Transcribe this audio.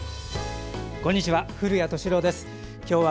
こんにちは。